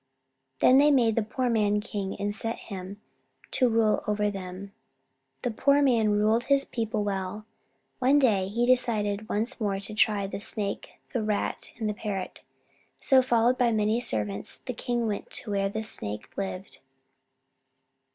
Then they made the poor man king, and set him to rule over them. The poor man ruled his people well. One day he decided once more to try the Snake, the Rat, and the Parrot. So, followed by many servants, the king went to where the Snake lived.